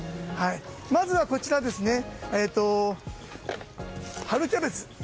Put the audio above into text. まずはこちら、春キャベツ。